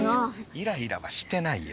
イライラはしてないよ。